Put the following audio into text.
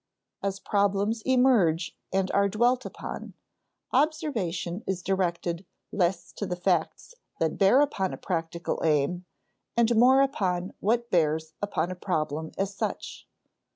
As problems emerge and are dwelt upon, observation is directed less to the facts that bear upon a practical aim and more upon what bears upon a problem as such.